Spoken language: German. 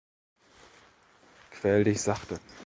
Quäl dich sachte.